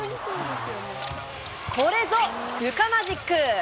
これぞルカマジック。